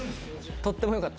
とってもよかった。